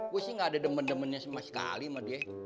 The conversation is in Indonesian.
gue sih gak ada demen demennya sama sekali sama dia